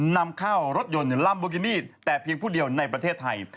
นำเข้ารถยนต์ลัมโบกินี่แต่เพียงผู้เดียวในประเทศไทย